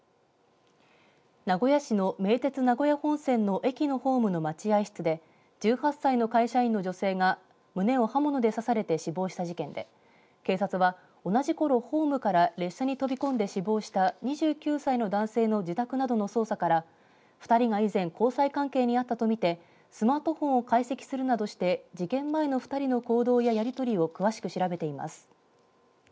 名古屋市の名鉄名古屋本線の駅のホームの待合室で１８歳の会社員の女性が胸を刃物で刺されて死亡した事件で警察は同じころホームから列車に飛び込んで死亡した２９歳の男性の自宅などの捜査から２人が以前交際関係にあったと見てスマートフォンを解析するなどして事件前の２人の行動ややりとりを詳しく調べています。